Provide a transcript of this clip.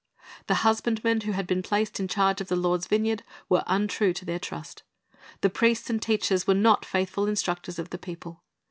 The husbandmen who had been placed in charge of the Lord's vineyard were untrue to their trust. The priests and teachers were not faithful instructors of the people.